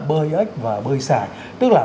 bơi ếch và bơi xài tức là